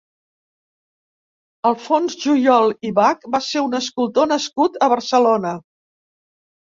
Alfons Juyol i Bach va ser un escultor nascut a Barcelona.